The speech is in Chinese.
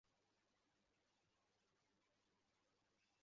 研究海洋运动以及其力量的分支学科称为物理海洋学。